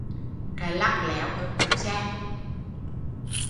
Cái lắt léo ở trục xe